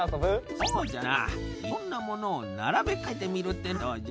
そうじゃないろんなものを並べ替えてみるってのはどうじゃ？